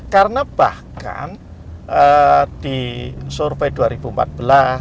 karena bahkan di survei dua ribu empat belas apakah itu